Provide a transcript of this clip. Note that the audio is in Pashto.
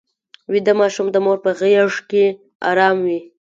ویده ماشوم د مور په غېږ کې ارام وي